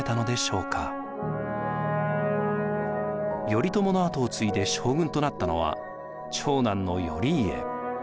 頼朝の跡を継いで将軍となったのは長男の頼家。